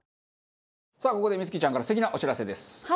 さあここで充希ちゃんから素敵なお知らせです。